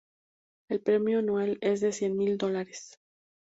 El premio anual es de cien mil dólares.